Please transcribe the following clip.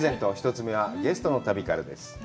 １つ目はゲストの旅からです。